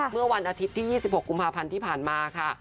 เมื่อวันอาทิตย์ที่๒๖กุมภาพันธ์ที่ผ่านมาค่ะ